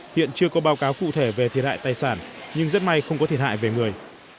hiện chưa có báo cáo cụ thể về thiệt hại tài sản nhưng rất may không có thiệt hại về người